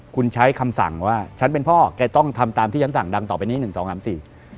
คุณใช้คำสั่งว่าฉันเป็นพ่อแกต้องทำตามที่ฉันสั่งดังต่อไปใน๑๒๓๔